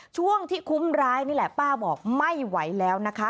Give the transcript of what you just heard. ช่วงที่คุ้มร้ายนี่แหละป้าบอกไม่ไหวแล้วนะคะ